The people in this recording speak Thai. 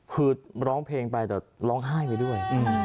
คือร้องเพลงไปแต่ร้องไห้ไปด้วย